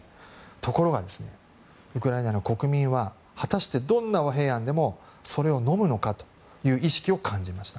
ところが、ウクライナの国民は果たしてどんな和平案でもそれをのむのかという意識を感じました。